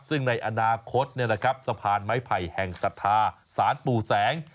ซึ่งในอนาคตสะพานไม้ไผ่แห่งศรัทธาสารปู่แสง